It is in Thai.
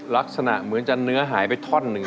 ลักษณะเหมือนจะเนื้อหายไปท่อนหนึ่ง